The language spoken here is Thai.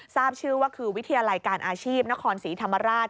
ทราบชื่อว่าคือวิทยาลัยการอาชีพนครศรีธรรมราช